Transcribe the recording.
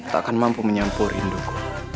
takkan mampu menyampul rinduku